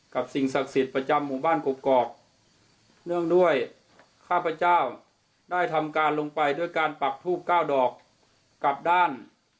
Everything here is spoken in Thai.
ข้าพเจ้าได้ทำการลงไปด้วยการปรับทูปเก้าดอกกลับด้าน